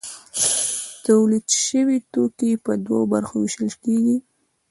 تولید شوي توکي په دوو برخو ویشل کیږي.